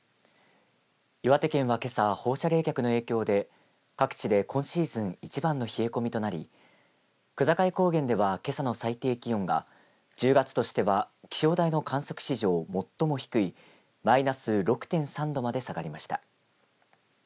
岩手県は、けさ放射冷却の影響で各地で今シーズン一番の冷え込みとなり区界高原では、けさの最低気温が１０月としては気象台の観測史上最も低いマイナス６．３度まで下がりました。